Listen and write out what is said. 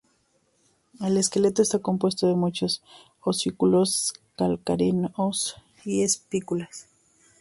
El esqueleto está compuesto de muchas osículos calcáreos y espículas.